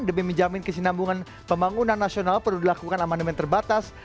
demi menjamin kesinambungan pembangunan nasional perlu dilakukan amandemen terbatas